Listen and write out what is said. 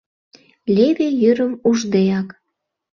Леве йӱрым уждеак.